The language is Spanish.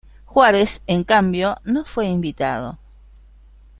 Juárez, en cambio, no fue invitado.